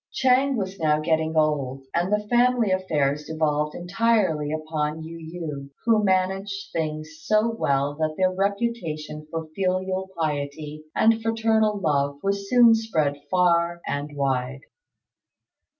Ch'êng was now getting old, and the family affairs devolved entirely upon Yu yü, who managed things so well that their reputation for filial piety and fraternal love was soon spread far and wide.